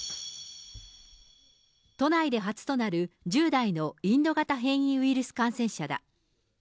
都内で初となる１０代のインド型変異ウイルス感染者だ。